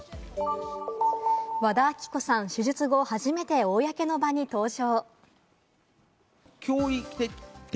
和田アキ子さん、手術後、初めて公の場に登場。